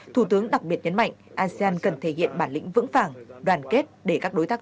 thủ tướng đặc biệt nhấn mạnh asean cần thể hiện bản lĩnh vững vàng đoàn kết để các đối tác